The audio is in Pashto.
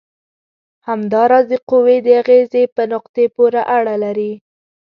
همدا راز د قوې د اغیزې په نقطې پورې اړه لري.